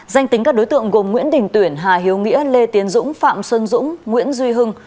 danh tính các đối tượng gồm nguyễn đình tuyển hà hiếu nghĩa lê tiến dũng phạm xuân dũng nguyễn duy hưng